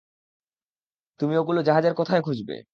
তুমি ওগুলো জাহাজের কোথায় খুঁজবে?